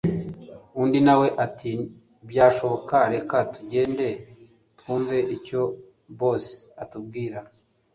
undi nawe ati byashoboka! reka tugende twumve icyo bosss atubwira